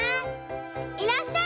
「いらっしゃい。